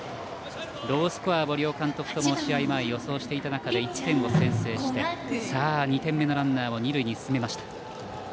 ロースコアを両監督とも試合前、予想していた中で１点を先制して２点目のランナーを二塁に進めました。